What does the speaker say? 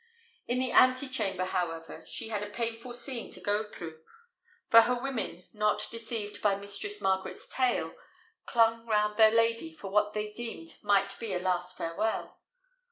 In the ante chamber, however, she had a painful scene to go through; for her women, not deceived by Mistress Margaret's tale, clung round their lady for what they deemed might be a last farewell.